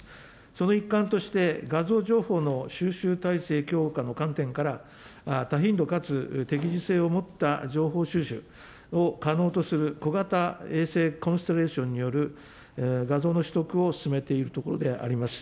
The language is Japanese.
その一環として、画像情報の収集体制強化の観点から、多頻度かつ、適時性を持った情報収集を可能とする小型衛星コンストレーションによる画像の取得を進めているところであります。